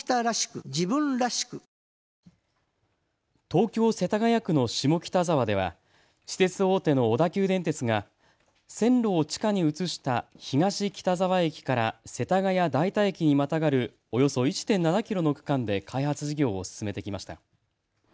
東京世田谷区の下北沢では私鉄大手の小田急電鉄が線路を地下に移した東北沢駅から世田谷代田駅にまたがるおよそ１．７キロの区間で開発事業を進めてきました。